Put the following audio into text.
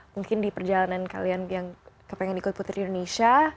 mungkin di perjalanan kalian yang kepengen ikut putri indonesia